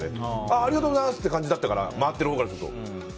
ありがとうございますって感じだったから回ってるほうからすると。